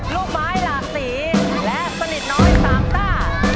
ลูกไม้หลากสีและสนิทน้อย๓ต้า